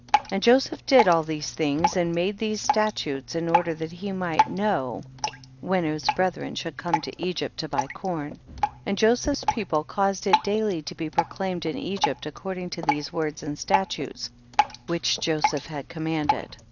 37. And Joseph did all these things, and made these statutes, in order that he mishl know when his brethren should come to Egypt to buy corn ; and Joseph's people caus ed it daily to be proclaimed in Egypt according to these words and statutes which Joseph had commanded.